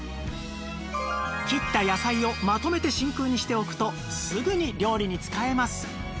切った野菜をまとめて真空にしておくとすぐに料理に使えます